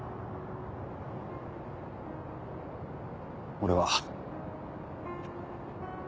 俺は。